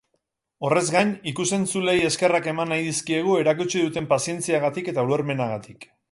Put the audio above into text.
Horrez gain, ikus-entzuleei eskerrak eman nahi dizkiegu erakutsi duten pazientziagatik eta ulermenagatik.